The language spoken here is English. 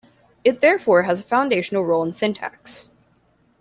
It therefore has a foundational role in syntax.